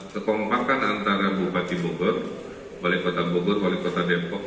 kekompakan antara bupati bogor wali kota bogor wali kota depok